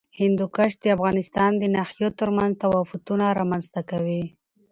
هندوکش د افغانستان د ناحیو ترمنځ تفاوتونه رامنځ ته کوي.